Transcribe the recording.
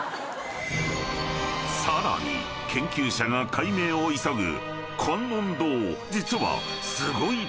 ［さらに研究者が解明を急ぐ］